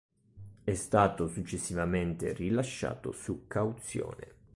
È stato successivamente rilasciato su cauzione.